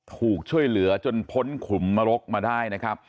ถูกช่วยเหลือจนพ้นขุมนรกมาได้นะครับ